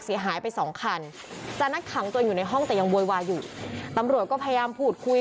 จนต้มอานจางคนแจ้งตำรวจด้วย